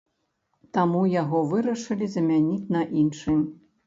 Таму яго вырашылі замяніць на іншы.